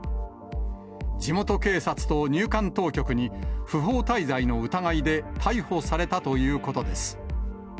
地元警察と入管当局に、不法滞在の疑いで逮捕されたということです。